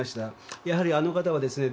やはりあの方はですね